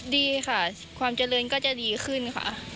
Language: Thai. ดีค่ะความเจริญก็จะดีขึ้นค่ะ